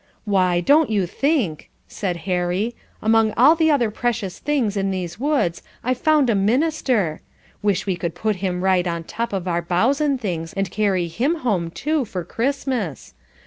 "Why, don't you think!" said Harry, "among all the other precious things in these woods I've found a minister. Wish we could put him right on top of our boughs and things, and carry him home too, for Christmas.